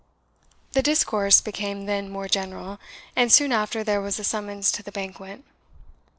The discourse became then more general, and soon after there was a summons to the banquet.